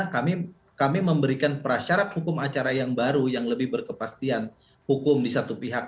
kami memberikan prasyarat hukum acara yang baru yang lebih berkepastian hukum di satu pihak